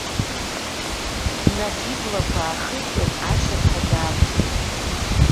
Нас, иблақәа аахитын, ашырҳәа даақәтәеит.